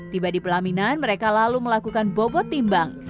tiba di pelaminan mereka lalu melakukan bobot timbang